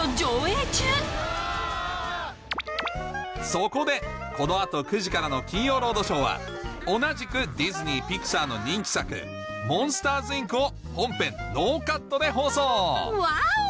そこでこの後９時からの『金曜ロードショー』は同じくディズニー／ピクサーの人気作『モンスターズ・インク』を本編ノーカットで放送ワオ！